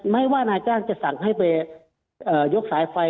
ไม่ว่านายจ้างจะสั่งให้ไปยกสายไฟ